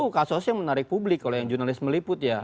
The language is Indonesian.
itu kasus yang menarik publik kalau yang jurnalis meliput ya